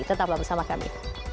tetaplah bersama kami